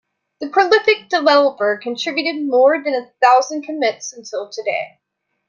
The prolific developer contributed more than a thousand commits until today.